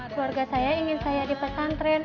keluarga saya ingin saya di pesantren